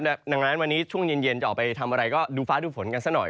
ดังนั้นวันนี้ช่วงเย็นจะออกไปทำอะไรก็ดูฟ้าดูฝนกันสักหน่อย